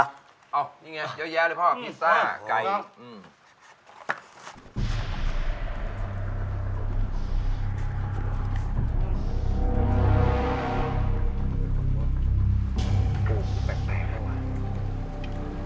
อ้าวนี่ไงยาวเลยพ่อพิซซ่าไก่